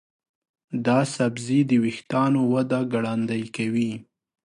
دا سبزی د ویښتانو وده ګړندۍ کوي.